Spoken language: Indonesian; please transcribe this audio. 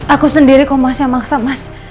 aku sendiri komnas yang maksa mas